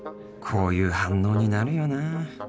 こういう反応になるよな